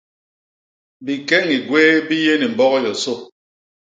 Bikeñi gwéé bi yé ni mbok yosô.